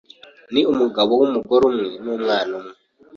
Ni umugabo w’umugore umwe n’umwana umwe